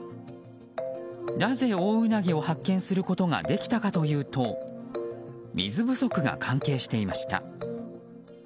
なぜ、オオウナギを発見することができたかというと水不足が関係していました。